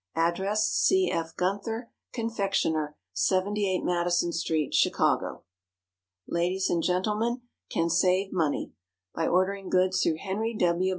Address C. F. GUNTHER, Confectioner, 78 MADISON STREET, CHICAGO. Ladies and Gentlemen can Save Money By ordering Goods through HENRY W.